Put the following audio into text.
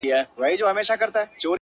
جالبه دا ده یار چي مخامخ جنجال ته ګورم ـ